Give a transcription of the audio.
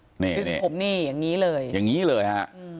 นี่ดึงผมนี่อย่างนี้เลยอย่างนี้เลยฮะ